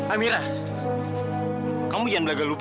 amira chce dibawah